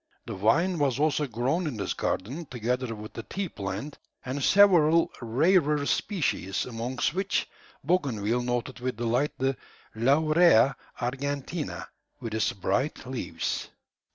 The vine was also grown in this garden, together with the tea plant, and several rarer species, amongst which Bougainville noted with delight the "Laurea argentea," with its bright leaves.